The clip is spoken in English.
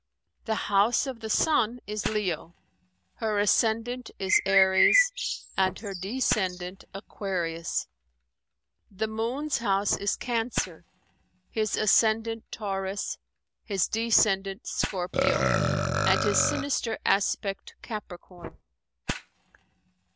The house of the Sun is Leo, her ascendant is Aries, and her descendant Aquarius. The Moon's house is Cancer, his ascendant Taurus, his descendant Scorpio and his sinister aspect Capricorn.